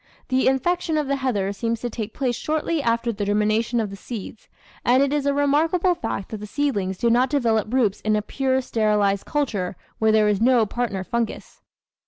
The infection of the heather seems to take place shortly after the germination of the seeds, and it is a remarkable fact that the seedlings do not develop roots in a pure sterilised culture where there is no partner fungus.